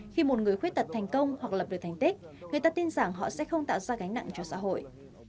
khi một người khuyết tật thành công hoặc lập được thành tích người ta tin rằng họ sẽ không tạo ra gánh nặng cho xã hội